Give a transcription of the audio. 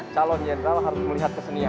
calon jenderal harus melihat kesenian